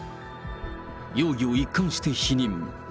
容疑を一貫して否認。